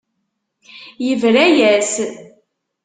Yebra-yas.